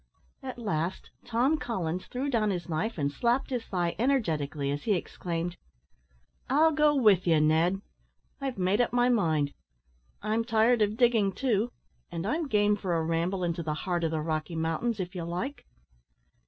At last, Tom Collins threw down his knife, and slapped his thigh energetically, as he exclaimed, "I'll go with you, Ned! I've made up my mind. I'm tired of digging, too; and I'm game for a ramble into the heart of the Rocky Mountains, if you like."